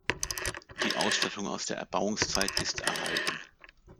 Die Ausstattung aus der Erbauungszeit ist erhalten.